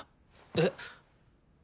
えっ。